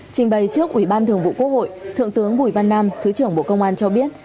trình bày trước ủy ban thường vụ quốc hội thượng tướng bùi văn nam thứ trưởng bộ công an cho biết